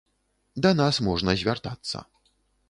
Да нас можна звяртацца.